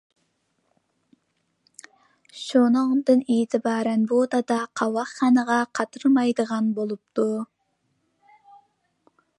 شۇنىڭدىن ئېتىبارەن بۇ دادا قاۋاقخانىغا قاترىمايدىغان بوپتۇ.